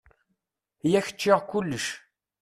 Yak ččiɣ kulec.